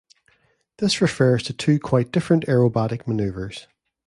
This refers to two quite different aerobatic maneuvers.